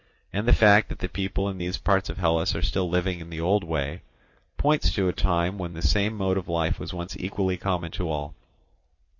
And the fact that the people in these parts of Hellas are still living in the old way points to a time when the same mode of life was once equally common to all.